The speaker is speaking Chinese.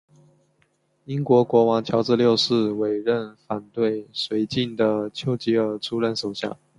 英国国王乔治六世委任反对绥靖的邱吉尔出任首相。